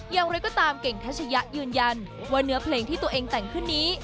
อย่างไรก็ตามเก่งทัชยะยืนยันว่าเนื้อเพลงที่ตัวเองแต่งขึ้นนี้